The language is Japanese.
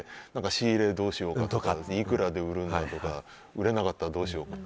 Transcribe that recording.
仕入れどうしようとかいくらで売るだとか売れなかったらどうしようとか。